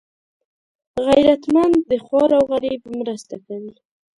غیرتمند د خوار او غریب مرسته کوي